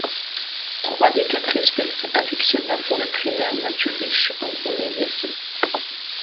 Trois des quatre espèces affectionnent la forêt primaire mature riche en broméliacées.